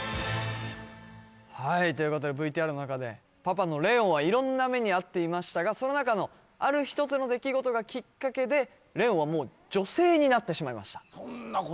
はいということでＶＴＲの中でパパのレオンは色んな目に遭っていましたがその中のある一つの出来事がきっかけでレオンはもう女性になってしまいました